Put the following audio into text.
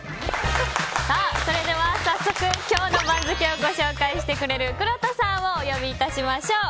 それでは早速今日の番付をご紹介してくれるくろうとさんをお呼び致しましょう。